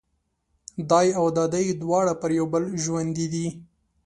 دای او دادۍ دواړه پر یو بل ژوندي دي.